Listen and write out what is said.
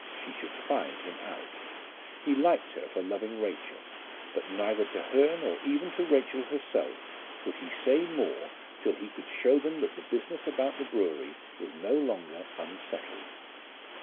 She should find him out. He liked her for loving Rachel; but neither to her, nor even to Rachel herself, would he say more till he could show them that the business about the brewery was no longer unsettled.